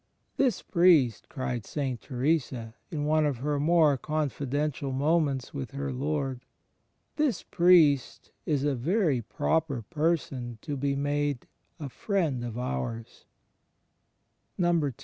"This priest," cried St. Teresa, in one of her more confidential moments with her Lord, "this priest is a very proper person to be made a friend of oursJ^ II.